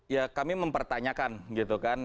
ya kami mempertanyakan gitu kan